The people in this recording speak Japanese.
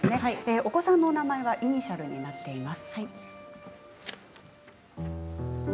お子さんの名前はイニシャルになっています。